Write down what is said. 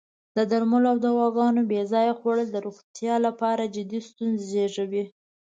د درملو او دواګانو بې ځایه خوړل د روغتیا لپاره جدی ستونزې زېږوی.